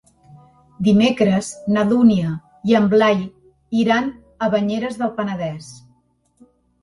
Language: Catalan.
Dimecres na Dúnia i en Blai iran a Banyeres del Penedès.